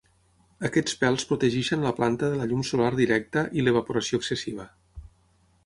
Aquests pèls protegeixen la planta de la llum solar directa i l'evaporació excessiva.